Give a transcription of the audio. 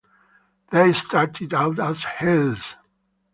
They started out as heels.